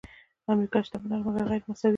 امریکا شتمنه مګر غیرمساوي ده.